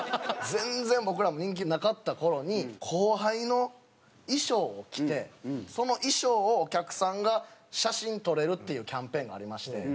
全然僕らも人気なかった頃に後輩の衣装を着てその衣装をお客さんが写真撮れるっていうキャンペーンがありまして。